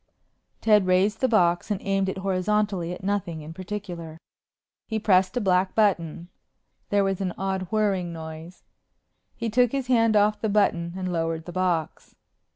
Ted raised the box and aimed it horizontally at nothing in particular. He pressed a black button. There was an odd whirring noise. He took his hand off the button and lowered the box.